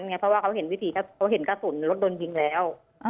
เพราะว่าเขาเห็นวิธีเขาเห็นกระสุนรถโดนยิงแล้ว